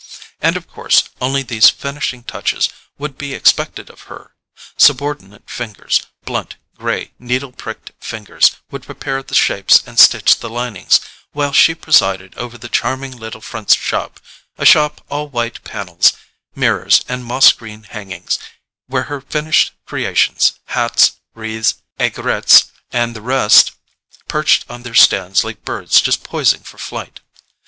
And of course only these finishing touches would be expected of her: subordinate fingers, blunt, grey, needle pricked fingers, would prepare the shapes and stitch the linings, while she presided over the charming little front shop—a shop all white panels, mirrors, and moss green hangings—where her finished creations, hats, wreaths, aigrettes and the rest, perched on their stands like birds just poising for flight.